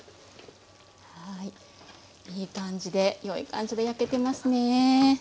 いい感じでよい感じで焼けてますねぇ。